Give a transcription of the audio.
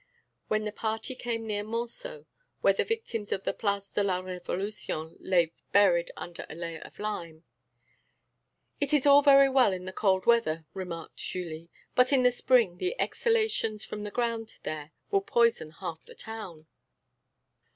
When the party came near Monceaux, where the victims of the Place de la Révolution lay buried under a layer of lime: "It is all very well in the cold weather," remarked Julie; "but in the spring the exhalations from the ground there will poison half the town."